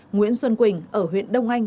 nguyễn xuân quỳnh ở huyện đông anh